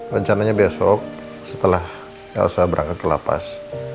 rencananya besok setelah elsa berangkat ke lapas